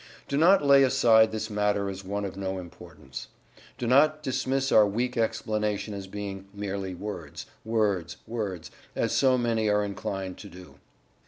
Do not lay aside this matter as one of no importance. Do not dismiss our weak explanation as being "merely words, words, words," as so many are inclined to do.